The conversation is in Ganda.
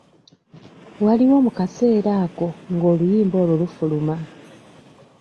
Wali wa mu kaseera ako nga oluyimba olwo lufuluma?